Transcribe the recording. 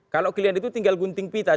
kalau kalian itu tinggal gunting pita